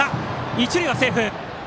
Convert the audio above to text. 一塁はセーフ。